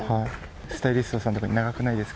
スタイリストさんとかに長くないですか？